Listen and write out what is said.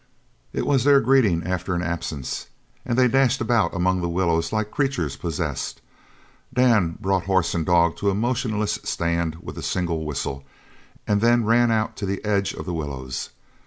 It was their greeting after an absence, and they dashed about among the willows like creatures possessed. Dan brought horse and dog to a motionless stand with a single whistle, and then ran out to the edge of the willows.